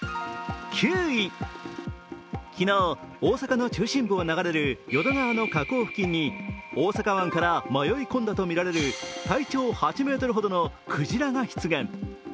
昨日、大阪の中心部を流れる淀川の河口付近に大阪湾から迷い込んだとみられる体長８ｍほどのクジラが出現